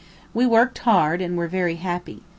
We worked hard, and were very happy.